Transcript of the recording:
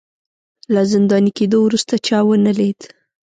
له زنداني کېدو وروسته چا ونه لید